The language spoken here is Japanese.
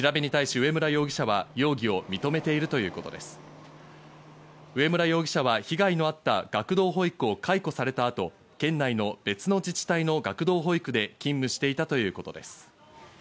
植村容疑者は被害のあった学童保育を解雇された後、県内の別の自治体の学童保育で勤務していたということです。